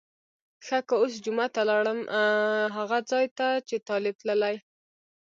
ښه که اوس جمعه ته لاړم هغه ځای ته چې طالب تللی.